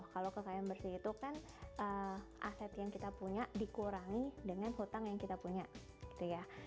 kalau kekayaan bersih itu kan aset yang kita punya dikurangi dengan hutang yang kita punya gitu ya